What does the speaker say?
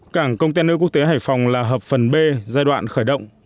cảng container quốc tế hải phòng là hợp phần b giai đoạn khởi động